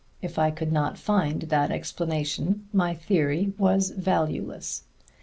If I could not find that explanation my theory was valueless.